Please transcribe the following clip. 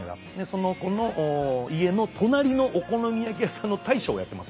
その子の家の隣のお好み焼き屋さんの大将をやってます。